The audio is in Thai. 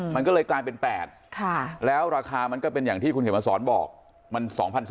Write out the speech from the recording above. มันก็เลยกลายเป็น๘แล้วราคามันก็เป็นอย่างที่คุณเขียนมาสอนบอกมัน๒๓๐๐